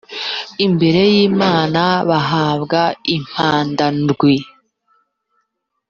imbere y’imana bahabwa impanda ndwi